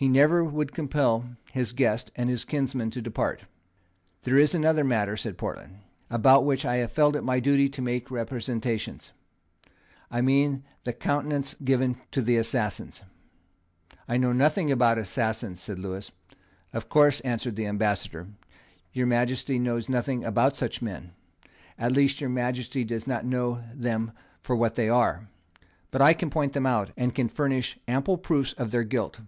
He never would compel his guest and kinsman to depart. "There is another matter," said Portland, "about which I have felt it my duty to make representations. I mean the countenance given to the assassins." "I know nothing about assassins," said Lewis. "Of course," answered the Ambassador, "your Majesty knows nothing about such men. At least your Majesty does not know them for what they are. But I can point them out, and can furnish ample proofs of their guilt."